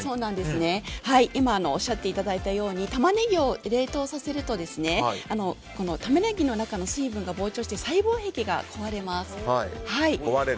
今おっしゃっていただいたようにタマネギを冷凍させるとタマネギの中の水分が膨張して細胞壁が壊れます。